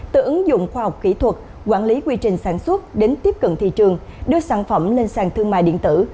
từ ứng dụng khoa học kỹ thuật quản lý quy trình sản xuất đến tiếp cận thị trường đưa sản phẩm lên sàn thương mại điện tử